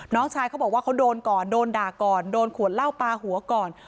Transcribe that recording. น้องชายเขาบอกว่าเขาโดนก่อนโดนด่าก่อนโดนขวดเหล้าปลาหัวก่อน